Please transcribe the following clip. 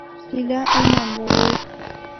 ایله ایمان راووړ.